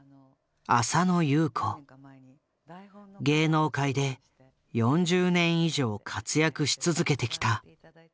芸能界で４０年以上活躍し続けてきた。